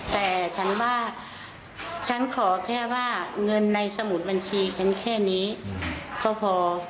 แต่ฉันว่าฉันขอแค่ว่าเงินในสมุดบัญชีฉันแค่นี้ก็พอ